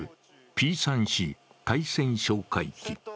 Ｐ３Ｃ対潜哨戒機。